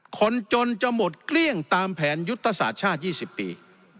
คนจนจะหมดเกลี้ยงตามแผนยุทธศาสตร์ชาติ๒๐ปี